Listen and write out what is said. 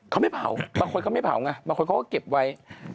เขาไม่เผาบางคนเขาไม่เผาไงบางคนเขาก็เก็บไว้